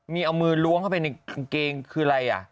มีเอามือล้วงเข้าไปในกางเกงคืออะไรอ่ะ